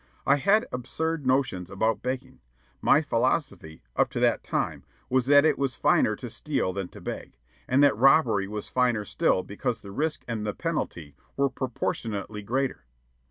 I had absurd notions about begging. My philosophy, up to that time, was that it was finer to steal than to beg; and that robbery was finer still because the risk and the penalty were proportionately greater.